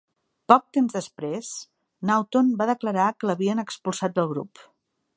Poc temps després, Naughton va declarar que l'havien expulsat del grup.